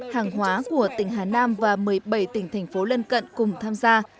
hàng hóa của tỉnh hà nam và một mươi bảy tỉnh thành phố lân cận cùng tham gia